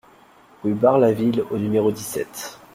Rue Bar la Ville au numéro dix-sept